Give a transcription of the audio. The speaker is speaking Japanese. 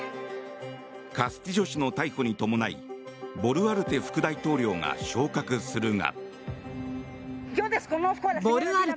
カスティジョ氏の逮捕に伴いボルアルテ副大統領が昇格するが。